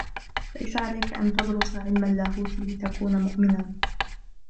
ليس عليك أن تدرس علم اللاهوت لتكون مؤمنا.